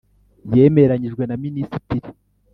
Yemeranyijwe na Minisitiri .